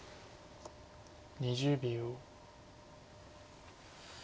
２０秒。